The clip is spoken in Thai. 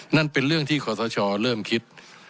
นั่นเป็นเรื่องที่ขอสชเริ่มคิด